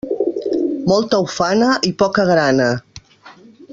Molta ufana i poca grana.